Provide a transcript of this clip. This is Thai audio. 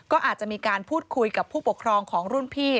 ก็อาจจะมีการพูดคุยกับผู้ปกครองของรุ่นพี่